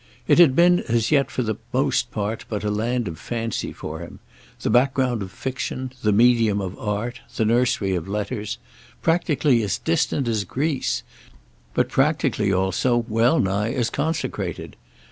It had been as yet for the most part but a land of fancy for him—the background of fiction, the medium of art, the nursery of letters; practically as distant as Greece, but practically also well nigh as consecrated.